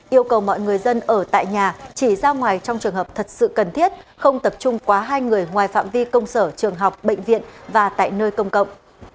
yêu cầu mọi người dân ở tại nhà chỉ ra ngoài trong trường hợp thật sự cần thiết không tập trung quá hai người ngoài phạm vi công sở trường học bệnh viện và tại nơi công cộng